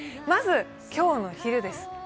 まず、今日の昼です。